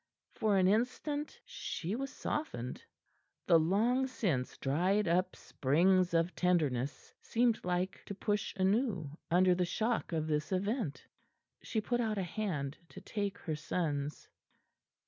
For an instant she was softened. The long since dried up springs of tenderness seemed like to push anew under the shock of this event. She put out a hand to take her son's.